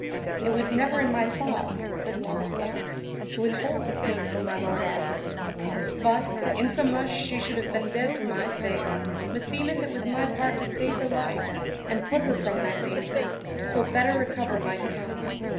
It was never in my thought, said Launcelot, to withhold the queen from my lord Arthur; but, insomuch she should have been dead for my sake, meseemeth it was my part to save her life, and put her from that danger, till better recover might come.